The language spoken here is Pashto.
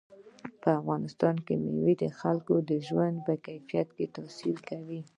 په افغانستان کې مېوې د خلکو د ژوند په کیفیت تاثیر کوي.